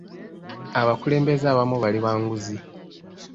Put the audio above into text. Abakulembeze abamu bali ba nguzi.